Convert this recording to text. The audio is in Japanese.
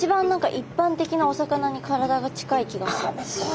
一般的なお魚に体が近い気がする。